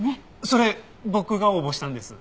それ僕が応募したんです。